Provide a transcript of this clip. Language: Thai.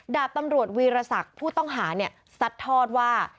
ดาบตำรวจวีรศักดิ์ผู้ต้องหาซัดทอดว่า